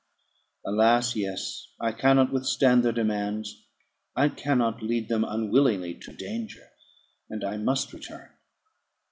"Alas! yes; I cannot withstand their demands. I cannot lead them unwillingly to danger, and I must return."